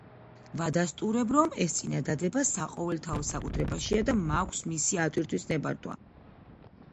ვადასტურებ, რომ ეს წინადადება საყოველთაო საკუთრებაშია და მაქვს მისი ატვირთვის ნებართვა.